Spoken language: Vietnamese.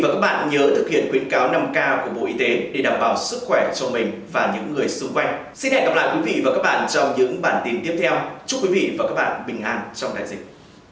chúc quý vị và các bạn bình an trong đại dịch